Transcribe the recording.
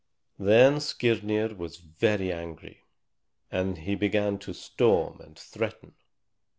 Then Skirnir was very angry, and he began to storm and threaten.